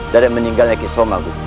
dari meninggalnya kisoma